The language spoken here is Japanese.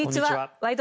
「ワイド！